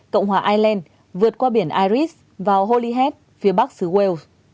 cộng hòa ireland vượt qua biển iris vào holyhead phía bắc xứ wales